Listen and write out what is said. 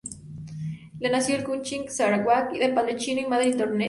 Lo nació en Kuching, Sarawak de padre chino y madre irlandesa.